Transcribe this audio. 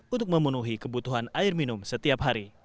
untuk memenuhi kebutuhan air minum setiap hari